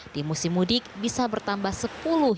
di musim mudik bisa melakukan perjalanan mudik di malam hari